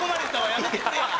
やめてくれや！